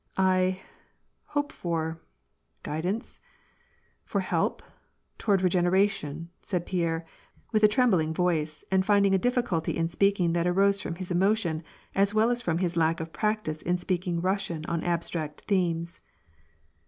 "I — hope for — guidance — for help — toward — regenei»r tion," said Pierre, with a trembling voice, and finding a diffi culty in speaking that arose from his emotion as well as from his lack of practice in speaking Russian on abstract themes.